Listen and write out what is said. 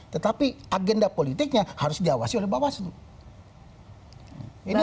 tetapi agenda politiknya harus diawasi oleh bawah situ